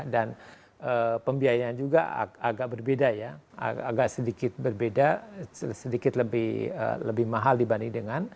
dan pembiayaan juga agak berbeda ya agak sedikit berbeda sedikit lebih mahal dibanding dengan s satu